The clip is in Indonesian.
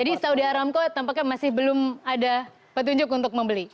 jadi saudi aramco tampaknya masih belum ada petunjuk untuk membeli